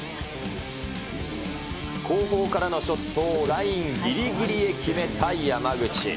後方からのショットをラインぎりぎりへ決めた山口。